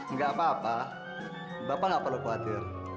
nggak apa apa bapak nggak perlu khawatir